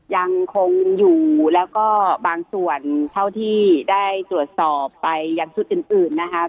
ยังคงอยู่แล้วก็บางส่วนเท่าที่ได้ตรวจสอบไปยังจุดอื่นนะคะ